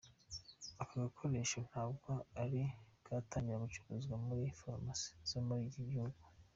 Aka gakoresho ntabwo kari katangira gucuruzwa muri pharmacy zo muri iki gihugu.